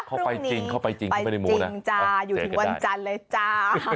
เข้าไปจริงไปจริงจ้าอยู่ถึงวันจันทร์เลยจ้า